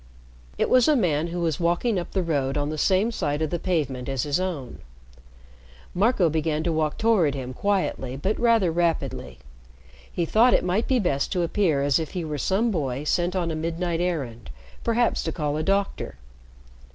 It was a man who was walking up the road on the same side of the pavement as his own. Marco began to walk toward him quietly but rather rapidly. He thought it might be best to appear as if he were some boy sent on a midnight errand perhaps to call a doctor.